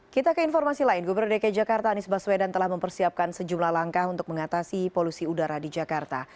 kita ke informasi lain gubernur dki jakarta anies baswedan telah mempersiapkan sejumlah langkah untuk mengatasi polusi udara di jakarta